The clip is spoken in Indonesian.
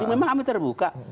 memang kami terbuka